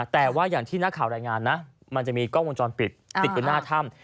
แต่ว่าอย่างที่นักข่าวรายงานนะมันจะมีกล้องวงจรปิดติดอยู่หน้าถ้ำ